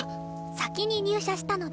先に入社したので。